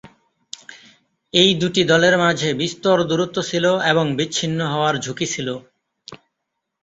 এই দুটি দলের মাঝে বিস্তর দূরত্ব ছিলো এবং বিচ্ছিন্ন হওয়ার ঝুঁকি ছিল।